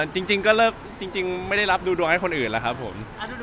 จริงก็เลิกจริงไม่ได้รับดูดวงให้คนอื่นแล้วครับผม